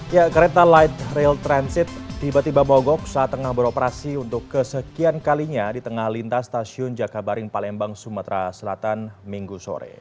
ya kereta light rail transit tiba tiba mogok saat tengah beroperasi untuk kesekian kalinya di tengah lintas stasiun jakabaring palembang sumatera selatan minggu sore